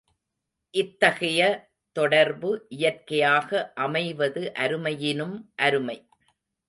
இத்தகைய தொடர்பு இயற்கையாக அமைவது அருமையினும் அருமை.